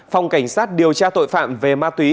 phòng cảnh sát điều tra tội phạm về ma túy